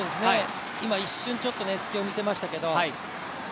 今、一瞬、ちょっと隙を見せましたけど。